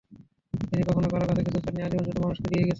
তিনি কখনো কারও কাছে কিছু চাননি, আজীবন শুধু মানুষকে দিয়েই গেছেন।